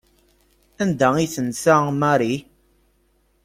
Anda i tensa Mary?